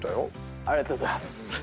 ありがとうございます。